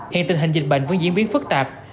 hiện tình hình dịch bệnh vẫn diễn biến phức tạp